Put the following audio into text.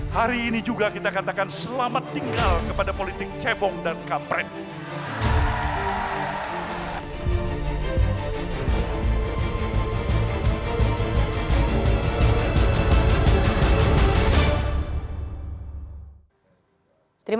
hari ini juga kita katakan selamat tinggal kepada politik cebong dan kampret